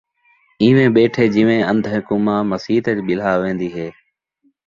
اینویں ٻیٹھے جیویں اندھے کوں ماء مسیت ءِچ ٻلھا ویندی ہے